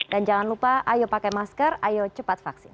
dan jangan lupa ayo pakai masker ayo cepat vaksin